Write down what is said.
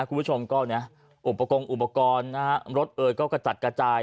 คุณผู้ชมก็เนี่ยอุปกรณ์อุปกรณ์นะฮะรถเอ่ยก็กระจัดกระจาย